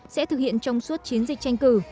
sẽ thực hiện trong suốt chiến dịch tranh cử